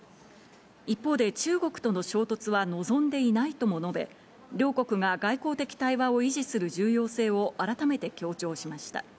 一方で中国との衝突は望んでいないとも述べ、両国が外交的対話を維持する重要性を改めて強調しました。